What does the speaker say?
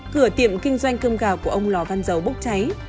cửa tiệm kinh doanh cơm gà của ông lò văn dấu bốc cháy